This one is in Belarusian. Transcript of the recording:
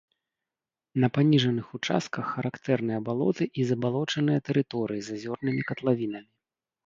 На паніжаных участках характэрныя балоты і забалочаныя тэрыторыі з азёрнымі катлавінамі.